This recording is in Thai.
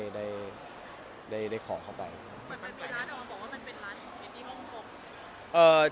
มีร้านออกมาบอกว่ามันเป็นไรเหมือนที่ฮ่องกง